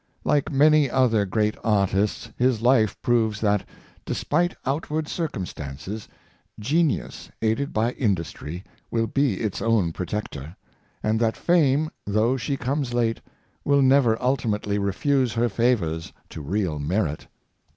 Like many other great artists, his Hfe proves that, despite outward circumstances, genius, aided by industry, will be its own protector, and that fame, though she comes late, will never ultimately re fuse her favors to real merit.